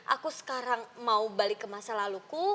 aku sekarang mau balik ke masa laluku